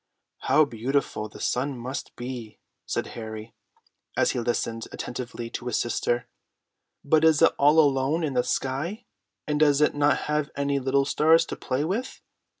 "How beautiful the sun must be!" said Harry, as he listened attentively to his sister. "But is it all alone in the sky, and does it not have any little stars to play with?"